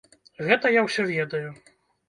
Гэта я ўсё ведаю.